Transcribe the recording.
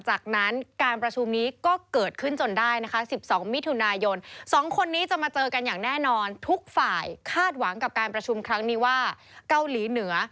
จุมครั้งนี้ว่าเกาหลีเหนือ